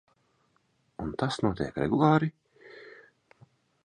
Un tas notiek regulāri!